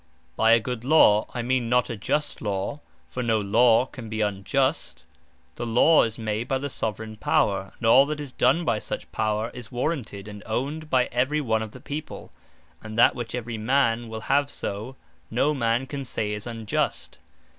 By a Good Law, I mean not a Just Law: for no Law can be Unjust. The Law is made by the Soveraign Power, and all that is done by such Power, is warranted, and owned by every one of the people; and that which every man will have so, no man can say is unjust.